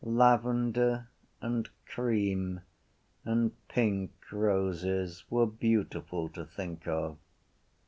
Lavender and cream and pink roses were beautiful to think of.